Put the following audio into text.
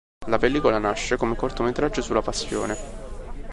La pellicola nasce come cortometraggio sulla Passione.